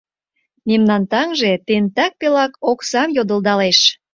Мемнан таҥже тентак пелак оксам йодылдалеш.